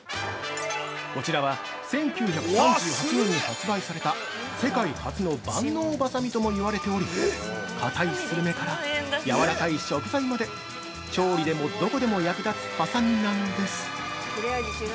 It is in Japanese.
◆こちらは１９３８年に発売された世界初の万能ばさみとも言われており、硬いスルメから軟らかい食材まで調理でもどこでも役立つはさみなんです！